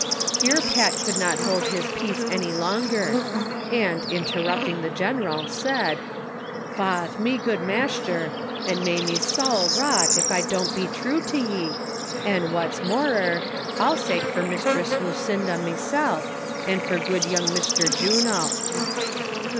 Here Pat could not hold his peace any longer, and, inter rupting the general, said : "Jb'atli, me good mashter, an' may me sowl rot ef I don't be tru to ye ; an' whats morer, I'll sake fur Mishtress Lucinda meself, an' fur good young Mishter Juno."